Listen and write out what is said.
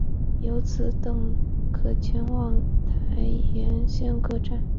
由此等可前往台铁沿线各站。